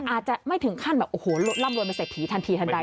อาจจะไม่ถึงขั้นแบบโอ้โฮล่ำลวนมันเสร็จถีทันทีทันใด